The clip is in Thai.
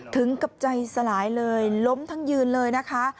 ถึงกับใจสลายเลยล้มทั้งยืนเลยนะคะ